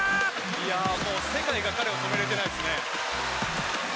もう世界が彼を止めれてないですね。